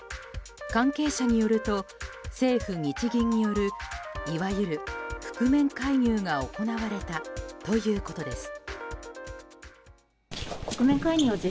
関係者によると政府・日銀によるいわゆる覆面介入が行われたということです。